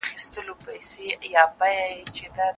اوس د چا ګرېوان به نیسو اوس به چاته اوښکي یوسو